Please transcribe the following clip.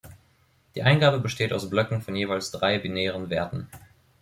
Die Eingabe besteht aus Blöcken von jeweils drei binären Werten.